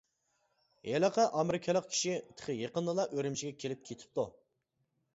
ھېلىقى ئامېرىكىلىق كىشى تېخى يېقىندىلا ئۈرۈمچىگە كېلىپ كېتىپتۇ.